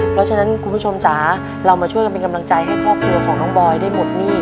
เพราะฉะนั้นคุณผู้ชมจ๋าเรามาช่วยกันเป็นกำลังใจให้ครอบครัวของน้องบอยได้หมดหนี้